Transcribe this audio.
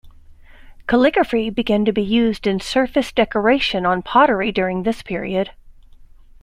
Calligraphy began to be used in surface decoration on pottery during this period.